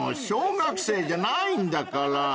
小学生じゃないんだから］